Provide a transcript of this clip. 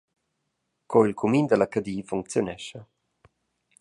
Co il cumin dalla Cadi funcziunescha.